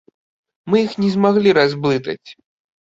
Мы іх не змаглі разблытаць.